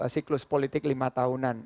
siklus politik lima tahunan